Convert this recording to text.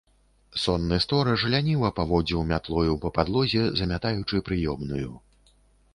Сонны стораж ляніва паводзіў мятлою па падлозе, замятаючы прыёмную.